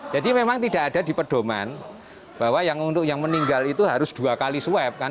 jadi memang tidak ada di pedoman bahwa untuk yang meninggal itu harus dua kali sweb kan